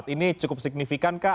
ini cukup signifikan kah